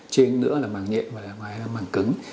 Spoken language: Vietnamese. trên nữa là mảng nhẹ và ngoài là mảng cứng